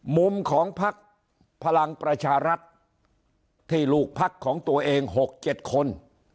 มุมของพักพลังประชารัฐที่ลูกพักของตัวเอง๖๗คน